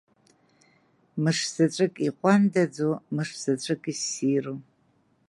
Мышзаҵәык иҟәандаӡоу, мышзаҵәык иссиру.